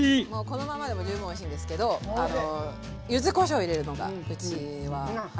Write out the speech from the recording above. このままでも十分おいしいんですけど柚子こしょう入れるのがうちははやって。